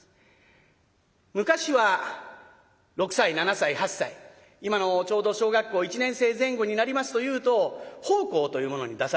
昔は６歳７歳８歳今のちょうど小学校１年生前後になりますというと奉公というものに出される。